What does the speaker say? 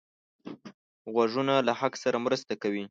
غوږونه له حق سره مرسته کوي